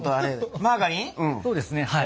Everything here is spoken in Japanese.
そうですねはい。